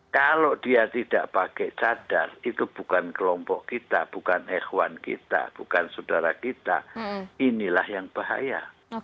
kalau dia tidak pakai cadar itu bukan kelompok kita bukan hewan kita bukan saudara kita inilah yang bahaya